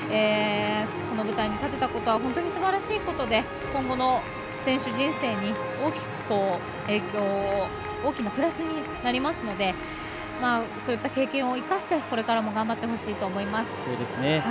この舞台に立てたことは本当にすばらしいことで今後の選手人生に大きなプラスになりますのでそういった経験を生かしてこれからも頑張ってほしいと思います。